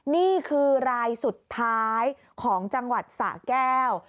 นี่คือรายสุดท้ายของจังหวัดสะแก้ว